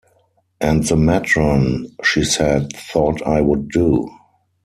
And the matron she said thought I would do.